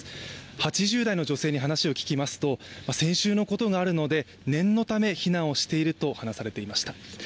８０代の女性に話を聞きますと先週のことがありますので念のため避難されてると話をされていました。